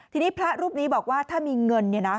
ทีนี้พระรูปนี้บอกว่าถ้ามีเงิน